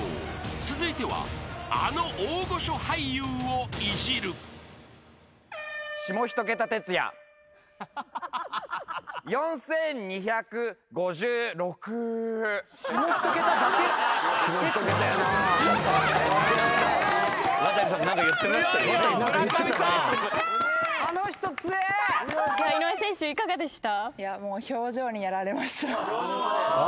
［続いてはあの大御所俳優をいじる］下一桁。井上選手いかがでした？